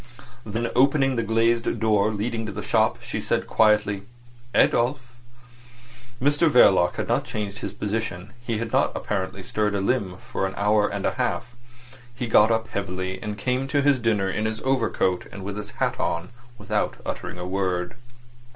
Then opening the glazed door leading to the shop, she said quietly "Adolf!" Mr Verloc had not changed his position; he had not apparently stirred a limb for an hour and a half. He got up heavily, and came to his dinner in his overcoat and with his hat on, without uttering a word.